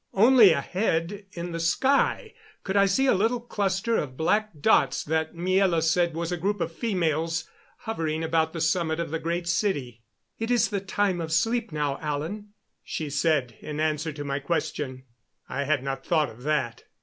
Only ahead in the sky I could see a little cluster of black dots that Miela said was a group of females hovering about the summit of the Great City. "It is the time of sleep now, Alan," she said, in answer to my question. I had not thought of that.